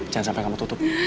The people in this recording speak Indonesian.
jangan sampe kamu tutup